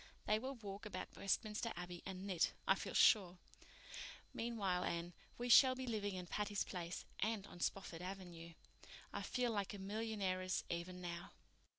They will walk about Westminster Abbey and knit, I feel sure. Meanwhile, Anne, we shall be living in Patty's Place—and on Spofford Avenue. I feel like a millionairess even now."